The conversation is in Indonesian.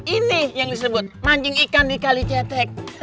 ini yang disebut mancing ikan di kali cetek